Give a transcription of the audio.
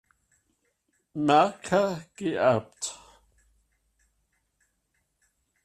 Märker geerbt.